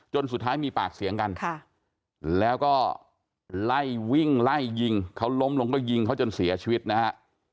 สุดท้ายมีปากเสียงกันแล้วก็ไล่วิ่งไล่ยิงเขาล้มลงก็ยิงเขาจนเสียชีวิตนะฮะ